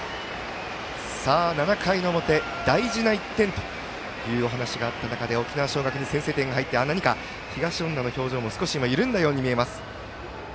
７回の表、大事な１点というお話があった中で沖縄尚学に先制点が入って何か東恩納の表情も少し緩んだように見えます。